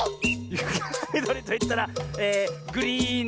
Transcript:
「ゆかがみどりといったらグリーンのおうち！」